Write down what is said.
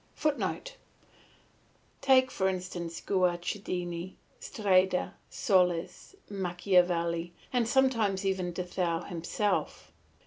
[Footnote: Take, for instance, Guicciardini, Streda, Solis, Machiavelli, and sometimes even De Thou himself.